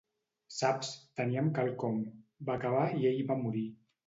Saps, teníem quelcom, va acabar i ell va morir.